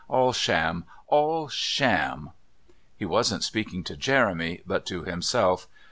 All sham! All sham!" He wasn't speaking to Jeremy, but to himself.